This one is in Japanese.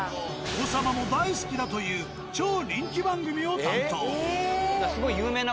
王様も大好きだという超人気番組を担当。